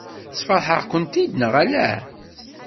Sfeṛḥeɣ-kent-id neɣ ala?